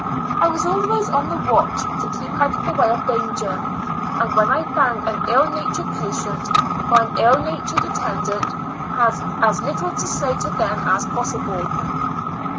I was always on the watch to keep out of the way of danger, and when I found an ill natured patient, or an ill natured attendant, had as little to say to them as possible.